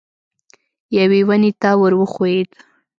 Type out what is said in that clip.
یوې ونې ته ور وښوېد.